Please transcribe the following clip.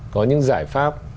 có những giải pháp